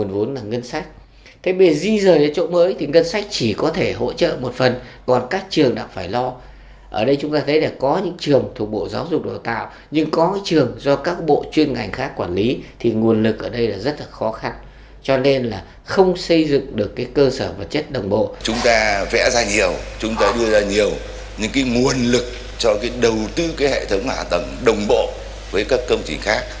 vẽ ra nhiều chúng ta đưa ra nhiều những nguồn lực cho đầu tư hệ thống hạ tầng đồng bộ với các công trình khác